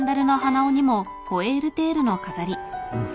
うん。